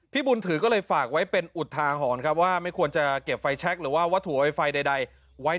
บุญถือก็เลยฝากไว้เป็นอุทาหรณ์ครับว่าไม่ควรจะเก็บไฟแชคหรือว่าวัตถุไวไฟใดไว้